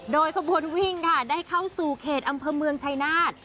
โดยขบวนวิ่งค่ะได้เข้าสู่เขตอำเภอเมืองชายนาฏ